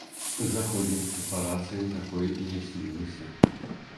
Заходнім карпарацыям такое і не снілася.